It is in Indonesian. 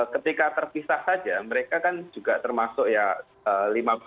ketika terpisah saja mereka kan juga termasuk ya